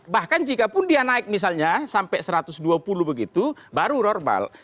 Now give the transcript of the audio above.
bahkan jikapun dia naik misalnya sampai satu ratus dua puluh begitu baru normal